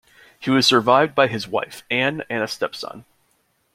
He was survived by his wife, Ann, and a stepson.